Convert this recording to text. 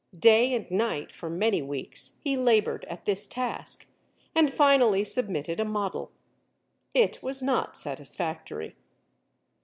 Day and night, for many weeks, he labored at this task, and finally submitted a model. It was not satisfactory.